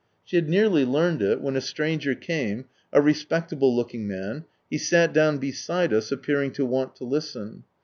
She had nearly learned it, when a stranger came, a respectable looking man, he sat down beside us, appearing to want to listen.